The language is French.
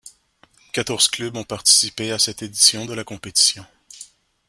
Quatorze clubs ont participé à cette édition de la compétition.